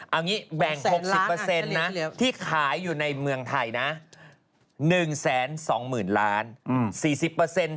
เอางี้แบ่ง๖๐นะที่ขายอยู่ในเมืองไทยนะ๑๒๐๐๐ล้าน๔๐